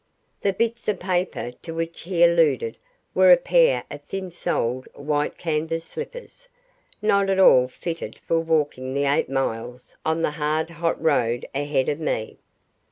The bits of paper to which he alluded were a pair of thin soled white canvas slippers not at all fitted for walking the eight miles on the hard hot road ahead of me.